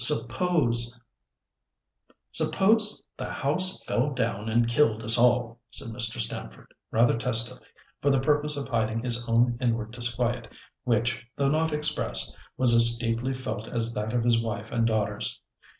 suppose— " "Suppose the house fell down and killed, us all," said Mr. Stamford, rather testily, for the purpose of hiding his own inward disquiet, which, though not expressed, was as deeply felt as that of his wife and daughters.